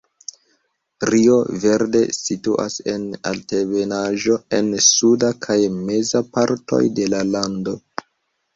Rio Verde situas en altebenaĵo en suda kaj meza partoj de la lando.